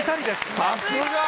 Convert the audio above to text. さすが！